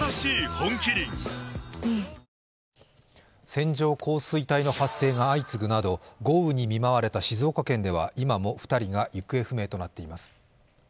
線状降水帯の発生が相次ぐなど豪雨に見舞われた静岡県では今も２人が行方不明となっています